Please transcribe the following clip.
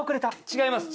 違います。